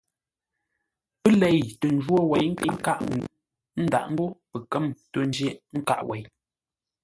Pə́ lei tə njwó wěi nkâʼ ŋuu, ə́ ndǎʼ ńgó pəkə̌m ntôʼ jə̂ghʼ nkâʼ wêi.